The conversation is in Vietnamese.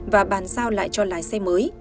và bàn giao lại cho lái xe một